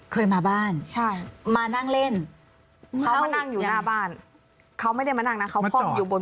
ไขมาบ้านใช่มานั่งเล่นเป็นอะไรอยู่แบบบ้านเขาไม่ได้มานั่งไม่อะไรอยู่บน